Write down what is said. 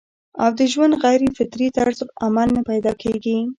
او د ژوند د غېر فطري طرز عمل نه پېدا کيږي